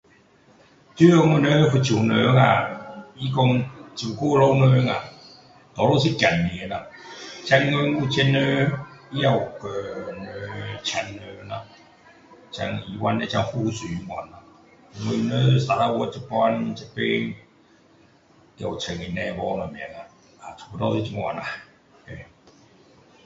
所以我们福州人啊他说照顾老人啊多数是孩子们啦现今有钱人也有叫人请人咯请医院的护士那样咯我们沙捞越现在这边也有请印尼婆什么啊差不多就是这样啦